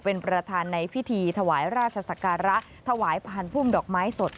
เป็นประธานในพิธีถวายราชศักระถวายพานพุ่มดอกไม้สด